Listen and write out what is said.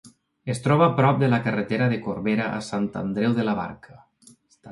Es troba prop de la carretera de Corbera a Sant Andreu de la Barca.